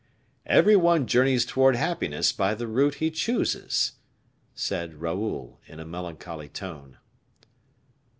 "Every one journeys towards happiness by the route he chooses," said Raoul, in a melancholy tone.